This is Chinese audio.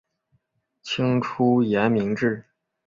清初沿明制。